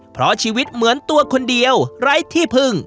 เพราะชีวิตเหมือนตัวคนเดียวไร้ที่พึ่ง